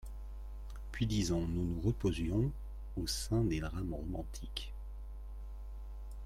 Puis dix ans nous nous reposions Au sein des drames romantiques.